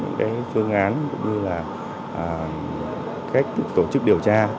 những cái phương án cũng như là cách tổ chức điều tra